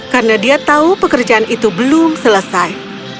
karena dia tahu pekerjaan itu belum selesai